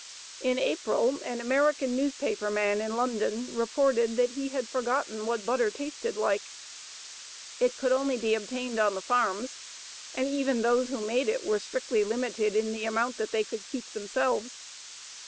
In April an American newspaper man in London reported that he had forgotten what butter tasted like. It could only be obtained on the farms, and even those who made it were strictly limited in the amount that they could keep themselves.